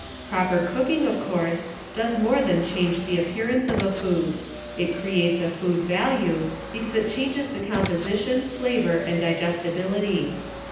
Proper cooking, of course, does more than change the appearance of a food — it creates a food value, because it changes the composition, flavor and digestibility.